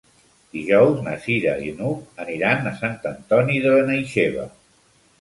Dijous na Cira i n'Hug aniran a Sant Antoni de Benaixeve.